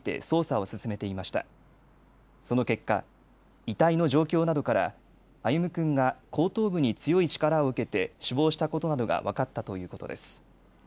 その結果、遺体の状況などから歩夢君が後頭部に強い力を受けて死亡したことなどが分かったということです。